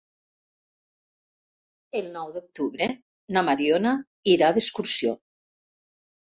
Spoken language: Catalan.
El nou d'octubre na Mariona irà d'excursió.